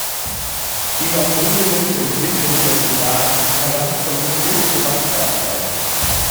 Die noch ungewisse Entwicklung des Irak verlangt von uns höchste Wachsamkeit.